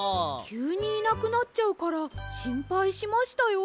きゅうにいなくなっちゃうからしんぱいしましたよ。